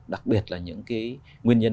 đặc biệt là những cái nguyên nhân